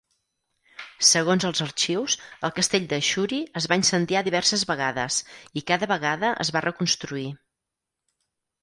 Segons els arxius, el castell de Shuri es va incendiar diverses vegades, i cada vegada es va reconstruir.